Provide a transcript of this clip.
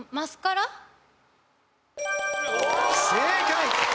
正解！